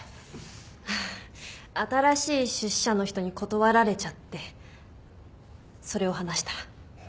新しい出資者の人に断られちゃってそれを話したら。